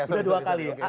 udah dua kali